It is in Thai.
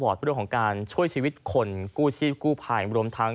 ก็พอดของการช่วยชีวิตคนกู้ชีพกู้ภายมารมทั้ง